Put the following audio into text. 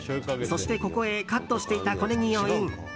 そして、ここへカットしていた小ネギをイン。